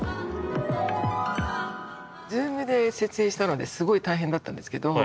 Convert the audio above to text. ｚｏｏｍで設営したのですごい大変だったんですけど。